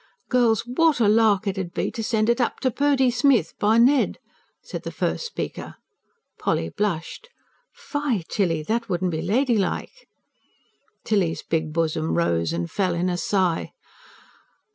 "Girls, what a lark it 'ud be to send it up to Purdy Smith, by Ned!" said the first speaker. Polly blushed. "Fy, Tilly! That wouldn't be ladylike." Tilly's big bosom rose and fell in a sigh.